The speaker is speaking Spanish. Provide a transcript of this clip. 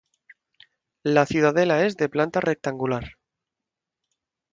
La ciudadela es de planta rectangular.